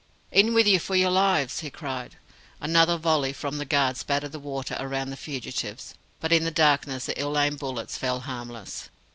"In with you for your lives!" he cried. Another volley from the guard spattered the water around the fugitives, but in the darkness the ill aimed bullets fell harmless.